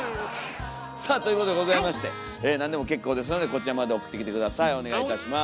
さあということでございまして何でも結構ですのでこちらまで送ってきて下さいお願いいたします。